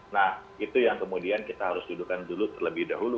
nah itu yang kemudian kita harus dudukan dulu terlebih dahulu